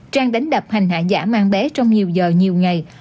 trang đánh đập hành hạ giả mang bé trong nhiều giờ nhiều ngày